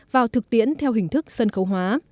vào thực tiễn theo hình thức sân khấu hóa